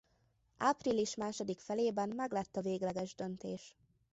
Április második felében meglett a végleges döntés.